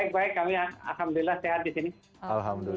baik baik kami alhamdulillah sehat di sini